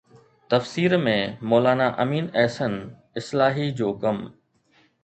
تفسير ۾ مولا نا امين احسن اصلاحي جو ڪم